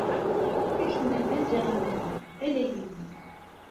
Akken ma llan d iɣermanen, ala yiwen.